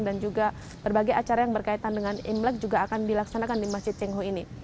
dan juga berbagai acara yang berkaitan dengan imlek juga akan dilaksanakan di masjid cengho ini